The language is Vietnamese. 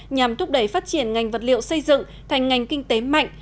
nhằm thúc đẩy phát triển ngành vật liệu xây dựng thành ngành kinh tế mạnh